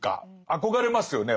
憧れますよね